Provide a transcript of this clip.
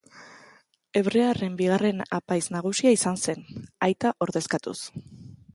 Hebrearren bigarren apaiz nagusia izan zen, aita ordezkatuz.